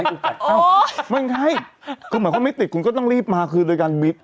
ก็หมายความไม่ติดคุณก็ต้องรีบมาคือโดยการวิบ